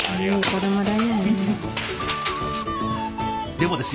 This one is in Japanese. でもですよ